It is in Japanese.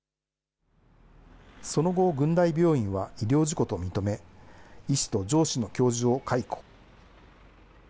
その後、群大病院は医療事故と認め、医師と上司の教授を解雇。